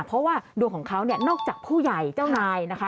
เพราะว่าดวงของเขาเนี่ยนอกจากผู้ใหญ่เจ้านายนะคะ